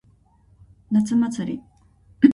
夏祭り。